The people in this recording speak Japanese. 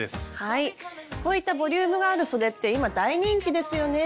こういったボリュームがあるそでって今大人気ですよね。